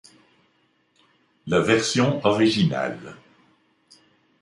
La version originale.